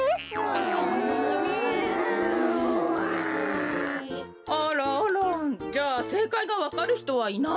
あらあらじゃあせいかいがわかるひとはいないの？